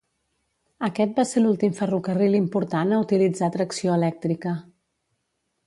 Aquest va ser l'últim ferrocarril important a utilitzar tracció elèctrica.